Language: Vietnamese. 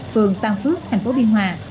phường tam phước thành phố biên hòa